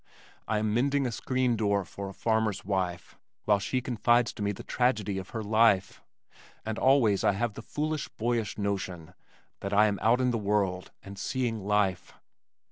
I am mending a screen door for a farmer's wife while she confides to me the tragedy of her life and always I have the foolish boyish notion that I am out in the world and seeing life.